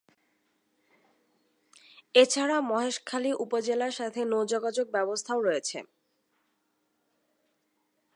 এছাড়া মহেশখালী উপজেলার সাথে নৌ-যোগাযোগ ব্যবস্থাও রয়েছে।